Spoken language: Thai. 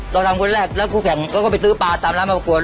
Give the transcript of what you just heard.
เราทำคนแรกแล้วคู่แข่งเขาก็ไปซื้อปลาตามร้านมาประกวด